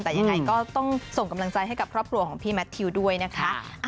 แต่ยังไงก็ต้องส่งกำลังใจให้กับครอบครัวของพี่แมททิวด้วยนะคะ